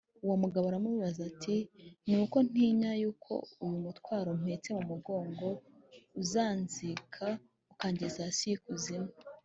Uwo mugabo aramusubiza ati: “Ni uko ntinya yuko uyu mutwaro mpetse mu mugongo uzanzika, ukangeza hasi y’ikuzimu